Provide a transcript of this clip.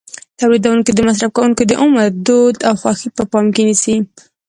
تولیدوونکي د مصرف کوونکو د عمر، دود او خوښې په پام کې نیسي.